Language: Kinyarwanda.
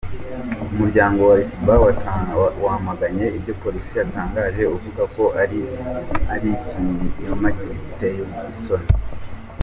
Umuryango wa Lisuba wamaganye ibyo Polisi yatangaje uvuga ko ari ‘ikinyoma giteye isoni’.